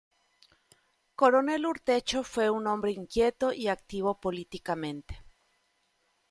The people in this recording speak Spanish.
Coronel Urtecho fue un hombre inquieto y activo políticamente.